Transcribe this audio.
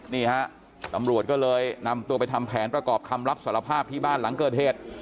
นี่ฮะตำรวจก็เลยนำตัวไปทำแผนประกอบคำรับสารภาพที่บ้านหลังเกิดเหตุ